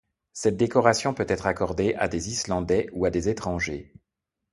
Cette décoration peut être accordée à des Islandais ou à des étrangers.